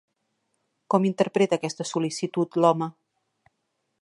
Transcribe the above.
Com interpreta aquesta sol·licitud, l'home?